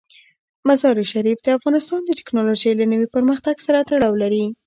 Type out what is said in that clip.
مزارشریف د افغانستان د تکنالوژۍ له نوي پرمختګ سره تړاو لري.